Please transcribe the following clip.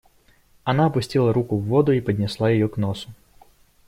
Она опустила руку в воду и поднесла ее к носу.